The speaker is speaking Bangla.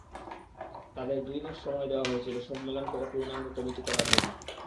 তাদের দুই মাস সময় দেওয়া হয়েছিল সম্মেলন করে পূর্ণাঙ্গ কমিটি করার জন্য।